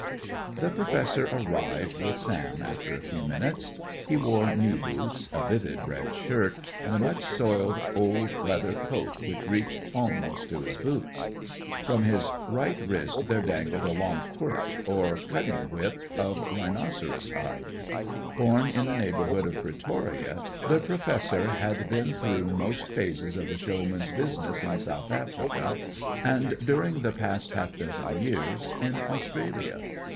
The Professor arrived with Sam, after a few minutes. He wore knee boots, a vivid red shirt, and a much soiled old leather coat which reached almost to his boots. From his right wrist there dangled a long quilt, or cutting whip, of rhinoceros hide. Born in the neighbourhood of Pretoria, the Professor had been through most phases of the showman's business in South Africa and, during the past half dozen years, in Australia.